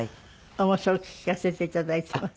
面白く聞かせていただいてます。